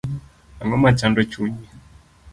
Ang'oma chando chunyi